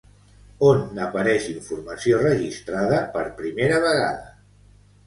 On n'apareix informació registrada per primera vegada?